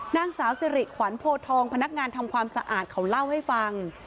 นางสาวสิริขวัญโพทองพนักงานทำความสะอาดเขาเล่าให้ฟัง